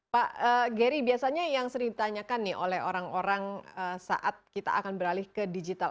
pak gary biasanya yang sering ditanyakan nih oleh orang orang saat kita akan beralih ke digital